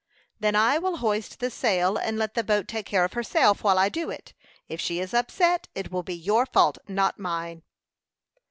"Then I will hoist the sail, and let the boat take care of herself while I do it. If she is upset, it will be your fault, not mine."